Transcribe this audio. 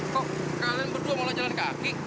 kok kalian berdua malah jalan kaki